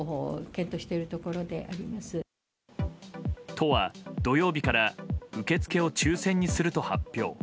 都は土曜日から受け付けを抽選にすると発表。